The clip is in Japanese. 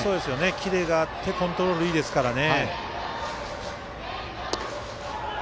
キレがあってコントロールいいですからね。